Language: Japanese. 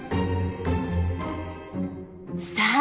さあ